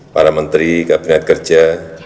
para menteri kabinet kerja